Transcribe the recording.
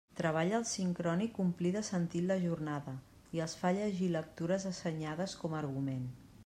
Treballa el sincrònic omplir de sentit la jornada i els fa llegir lectures assenyades com a argument.